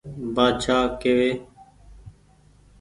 بآڇآ ڪيوي